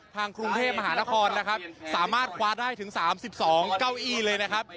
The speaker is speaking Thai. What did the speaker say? ทางกรุงเทพมหานครนะครับสามารถคว้าได้ถึง๓๒เก้าอี้เลยนะครับ